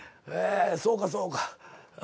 そうかそうか。